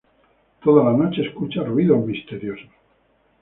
Toda la noche escucha ruidos misteriosos.